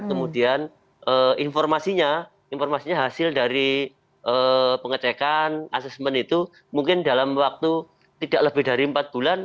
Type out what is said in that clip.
kemudian informasinya informasinya hasil dari pengecekan assessment itu mungkin dalam waktu tidak lebih dari empat bulan